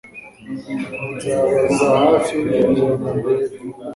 Nzabaza hafi kugirango ndebe